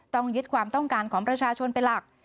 ต้องยึดความต้องการของประชาชนเป็นหลัก